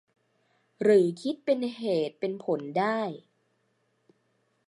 หรือคิดเป็นเหตุเป็นผลได้